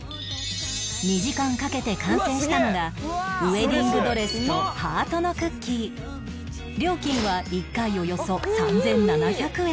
２時間かけて完成したのがウェディングドレスとハートのクッキー料金は１回およそ３７００円